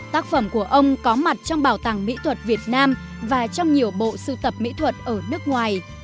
tác phẩm của ông có mặt trong bảo tàng mỹ thuật việt nam và trong nhiều bộ sưu tập mỹ thuật ở nước ngoài